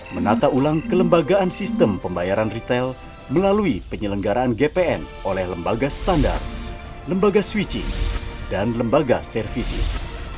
menata ulang kelembagaan sistem pembayaran retail melalui penyelenggaraan gpn oleh lembaga standar lembaga switching dan lembaga services